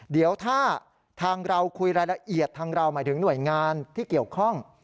เดี๋ยวถ้าทางเราคุยรายละเอียดทางเราหมายถึงหน่วยงานที่เกี่ยวข้อง